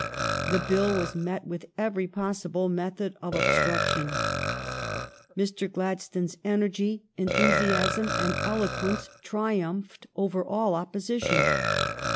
The Bill was met with every possible method of obstruction. Mr. Glad stone's energy, enthusiasm, and eloquence tri umphed over all opposition.